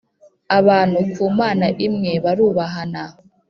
abantu ku Mana imwe barubahana